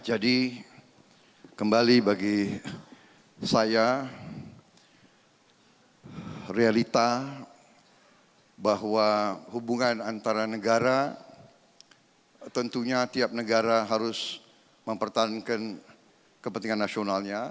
kembali bagi saya realita bahwa hubungan antara negara tentunya tiap negara harus mempertahankan kepentingan nasionalnya